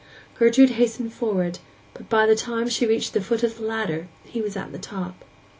Gertrude hastened forward, but by the time she reached the foot of the ladder he was at the top.